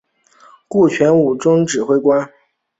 顾全武终官指挥使。